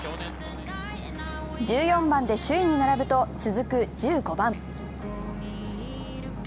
１４番で首位に並ぶと、続く１５番。